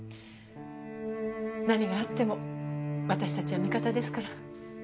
何があっても私たちは味方ですから。